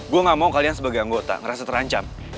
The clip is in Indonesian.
gue gak mau kalian sebagai anggota ngerasa terancam